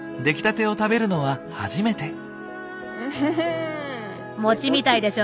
出来たてを食べるのは初めて。